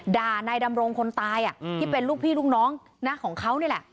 ด่านายดำรงคนตายที่เป็นลูกพี่ลูกน้องนะของเขานี่แหละ